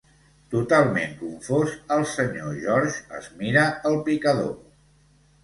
Totalment confós, el senyor George es mira el picador.